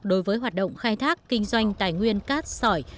đối với hoạt động khai thác kinh doanh tài nguyên cát sỏi